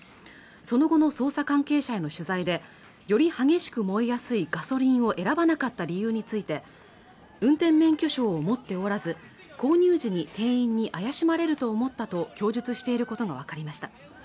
その後の捜査関係者への取材でより激しく燃えやすいガソリンを選ばなかった理由について運転免許証を持っておらず購入時に店員に怪しまれると思ったと供述していることが分かりました